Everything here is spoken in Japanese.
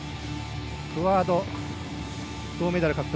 クアード、銅メダル獲得。